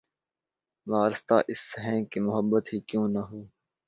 وارستہ اس سے ہیں کہ‘ محبت ہی کیوں نہ ہو